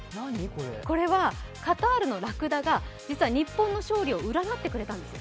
これはカタールのらくだが、実は日本の勝利を占ってくれたんです。